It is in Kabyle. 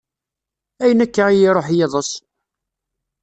Ayen akka i yi-iruḥ yiḍes?